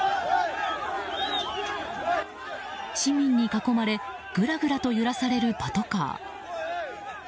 市民に囲まれぐらぐらと揺らされるパトカー。